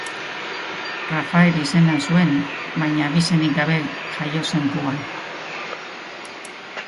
Rafael izena zuen baina abizenik gabe jaio zen Kuban.